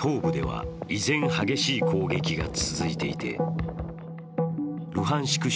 東部では依然、激しい攻撃が続いていてルハンシク